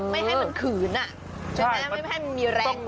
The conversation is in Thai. ไม่ให้มันขืนอ่ะใช่ไหมไม่ให้มันมีแรงต่อหัว